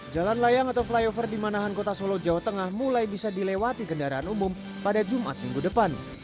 jalan layang atau flyover di manahan kota solo jawa tengah mulai bisa dilewati kendaraan umum pada jumat minggu depan